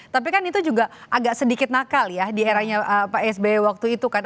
tapi kan itu juga agak sedikit nakal ya di eranya pak sby waktu itu kan